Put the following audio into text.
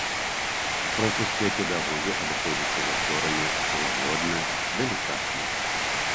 Французскія педагогі абыходзяцца з акторамі лагодна, далікатна.